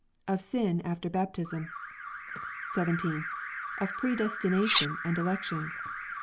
Of Sin after Baptism. 17. Of Predestination and Election.